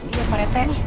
iya pak rt nih